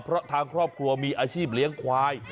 เพราะทางครอบครัวมีอาชีพเลี้ยงควาย